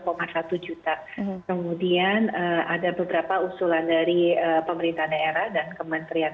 percepatan vaksin astrazeneca dan kemudian ada beberapa usulan dari pemerintah daerah dan kementerian